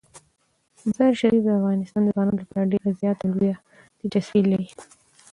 مزارشریف د افغان ځوانانو لپاره ډیره زیاته او لویه دلچسپي لري.